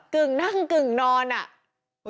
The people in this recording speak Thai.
กึ่งนั่งกึ่งนอนอ่ะ